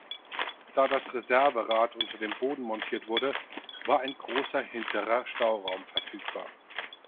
Da das Reserverad unter dem Boden montiert wurde, war ein großer hinterer Stauraum verfügbar.